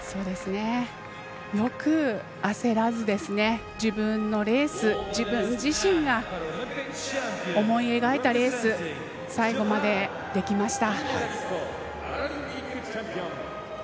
よく焦らず、自分のレース自分自身が思い描いたレース最後までできました。